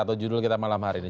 atau judul kita malam hari ini